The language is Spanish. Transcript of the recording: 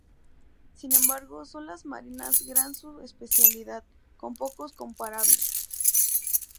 Sin embargo son las marinas gran su especialidad, con pocos comparable.